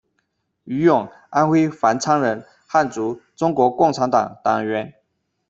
于泳，安徽繁昌人，汉族，中国共产党党员。